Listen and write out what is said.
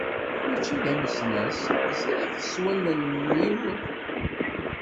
Mačči d anesnas, ẓriɣ-t s wallalen-iw.